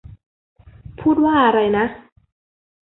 พูดว่าอะไรนะ ?